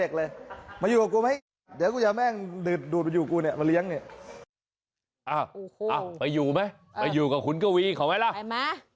อ้าวไปอยู่ไหมไปอยู่ของคุณกวีเข้าไหมล่ะ